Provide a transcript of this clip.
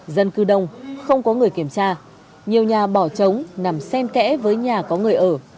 dân cư đông không có người kiểm tra nhiều nhà bỏ trống nằm sen kẽ với nhà có người ở